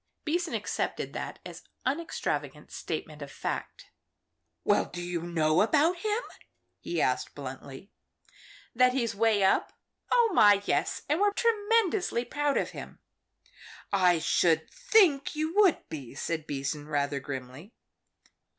Beason accepted that as unextravagant statement of fact. "Well, do you know about him?" he asked, bluntly. "That he's 'way up? Oh, my, yes. And we're tremendously proud of him." "I should think you would be," said Beason, rather grimly.